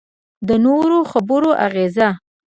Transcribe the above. د نورو د خبرو اغېز.